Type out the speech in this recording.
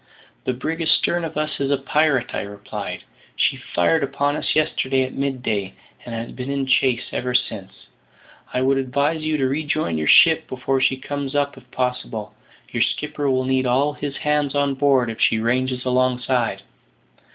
"The brig astern of us is a pirate," I replied; "she fired upon us yesterday at mid day, and has been in chase ever since. I would advise you to rejoin your ship before she comes up if possible. Your skipper will need all his hands on board if she ranges alongside."